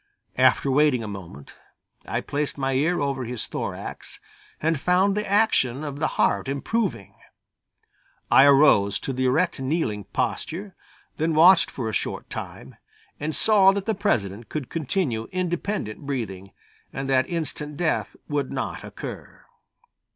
After waiting a moment I placed my ear over his thorax and found the action of the heart improving. I arose to the erect kneeling posture, then watched for a short time, and saw that the President could continue independent breathing and that instant death would not occur.